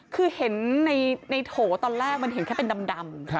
คือเห็นในโถตอนแรกมันเห็นแค่เป็นดำ